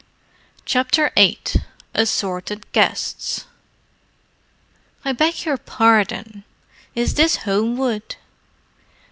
CHAPTER VIII ASSORTED GUESTS "I beg your pardon—is this Homewood?"